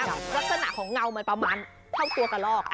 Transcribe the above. ลักษณะของเงามันประมาณเท่าตัวกระลอก